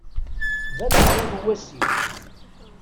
D aneɛṛuḍ uwasif.